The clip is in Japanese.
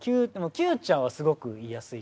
「きゅうちゃん」はすごく言いやすい。